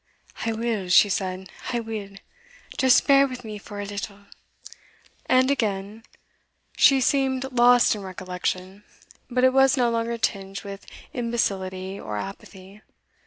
"I will," she said "I will! just bear wi' me for a little;" and again she seemed lost in recollection, but it was no longer tinged with imbecility or apathy.